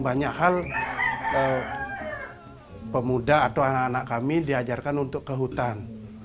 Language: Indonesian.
banyak hal pemuda atau anak anak kami diajarkan untuk ke hutan